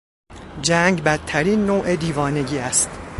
جنگ بدترین نوع دیوانگی است.